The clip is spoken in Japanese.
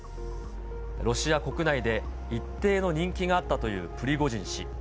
ロシア国内で一定の人気があったというプリゴジン氏。